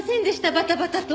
バタバタと。